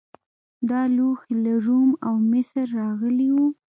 دا لوښي له روم او مصر راغلي وو